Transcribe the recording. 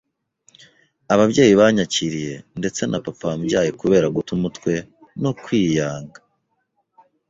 ababyeyi banyakiriye, ndetse na papa wambyaye kubera guta umutwe no kwiyanga